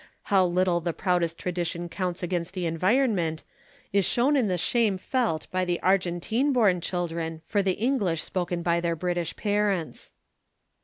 How little the proudest tradition counts against the environment is shown in the shame felt by Argentine born children for the English spoken by their British parents.